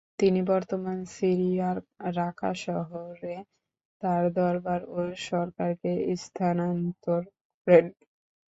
তিনি বর্তমান সিরিয়ার রাকা শহরে তার দরবার ও সরকারকে স্থানান্তর করেন।